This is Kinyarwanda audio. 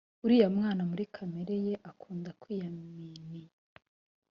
uriya mwana muri kamere ye akunda kwiyaminiya